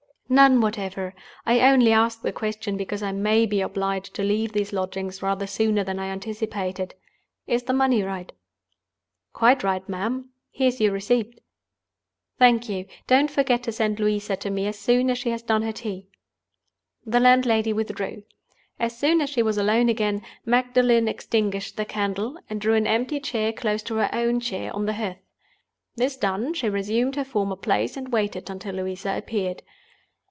"None whatever. I only ask the question, because I may be obliged to leave these lodgings rather sooner than I anticipated. Is the money right?" "Quite right, ma'am. Here is your receipt." "Thank you. Don't forget to send Louisa to me as soon as she has done her tea." The landlady withdrew. As soon as she was alone again, Magdalen extinguished the candle, and drew an empty chair close to her own chair on the hearth. This done, she resumed her former place, and waited until Louisa appeared.